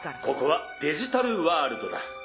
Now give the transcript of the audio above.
ここはデジタルワールドだ。